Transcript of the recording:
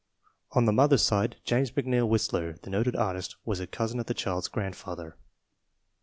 On the mother's side James McNeill Whistler, the noted artist, was a cousin of the child's grandfather.